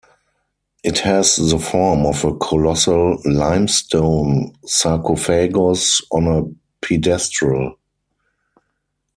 It has the form of a colossal limestone sarcophagus on a pedestal.